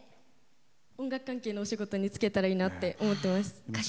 音楽関係のお仕事に就けたらいいなって思っています。